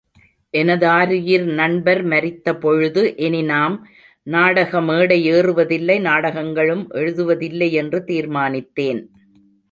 எனதாருயிர் நண்பர் மரித்தபொழுது, இனி நாம் நாடக மேடையேறுவதில்லை நாடகங்களும் எழுதுவதில்லை என்று தீர்மானித்தேன்.